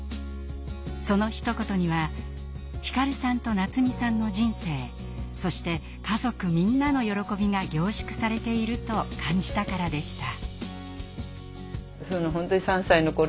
そのひと言には皓さんとなつみさんの人生そして家族みんなの喜びが凝縮されていると感じたからでした。